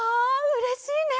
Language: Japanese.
うれしいね。